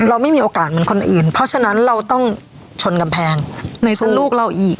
เราไม่มีโอกาสเหมือนคนอื่นเพราะฉะนั้นเราต้องชนกำแพงลูกเราอีก